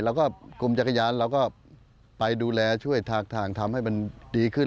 แล้วก็กรมจักรยานเราก็ไปดูแลช่วยทางทำให้มันดีขึ้น